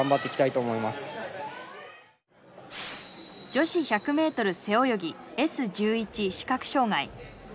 女子１００ｍ背泳ぎＳ１１視覚障害。